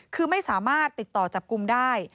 คือไม่สามารถติดต่อจับกลุ่มได้